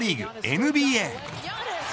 ＮＢＡ。